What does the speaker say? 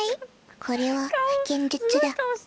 これは現実だ。